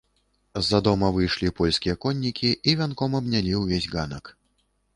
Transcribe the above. З-за дома выйшлі польскія коннікі і вянком абнялі ўвесь ганак.